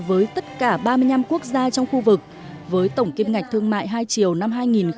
với tất cả ba mươi năm quốc gia trong khu vực với tổng kiếm ngạch thương mại hai triều năm hai nghìn một mươi tám